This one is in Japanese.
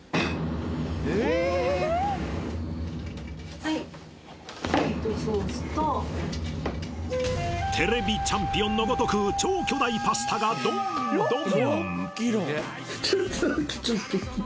はいミートソースと「ＴＶチャンピオン」のごとく超巨大パスタがどんどん！